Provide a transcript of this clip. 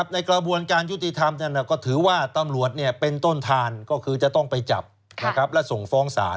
ในกระบวนการยุติธรรมก็ถือว่าตำรวจเป็นต้นทานก็คือจะต้องไปจับและส่งฟ้องศาล